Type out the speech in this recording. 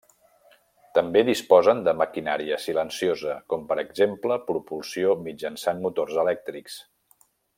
També disposen de maquinària silenciosa, com per exemple propulsió mitjançant motors elèctrics.